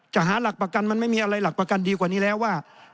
หาหลักประกันมันไม่มีอะไรหลักประกันดีกว่านี้แล้วว่า